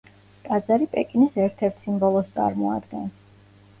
ტაძარი პეკინის ერთ-ერთ სიმბოლოს წარმოადგენს.